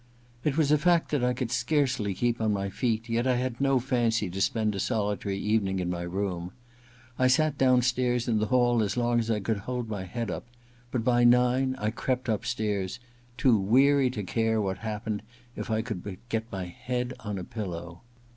It was a fact that I could scarcely keep on my feet ; yet I had no fancy to spend a solitary evening in my room. I sat downstairs in the hall as long as I could hold my head up ; but by nine I crept upstairs, too weary to care what happened if I could but get my head on a pillow.